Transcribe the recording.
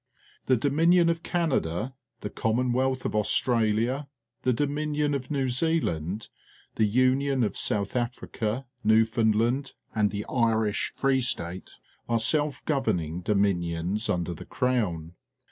The Dominion of Canada, the Common wealth of AustraUa, the Dominion of New Zealand, the LTiuon of South .Africa, New ^, foundland, and the Irish Free State are Self governing Dominion's under the Crown.